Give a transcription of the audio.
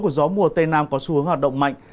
của gió mùa tây nam có xu hướng hoạt động mạnh